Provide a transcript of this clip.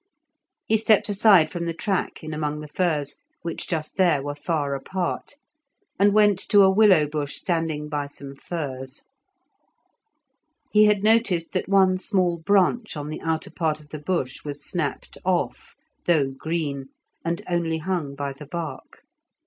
He stepped aside from the track in among the firs, which just there were far apart, and went to a willow bush standing by some furze. He had noticed that one small branch on the outer part of the bush was snapped off, though green, and only hung by the bark.